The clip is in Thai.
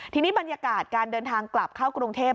ทีนี้บรรยากาศการเดินทางกลับเข้ากรุงเทพ